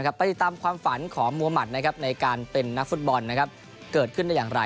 ไปติดตามความฝันของมัวหมัดในการเป็นนักฟุตบอลเกิดขึ้นได้อย่างไร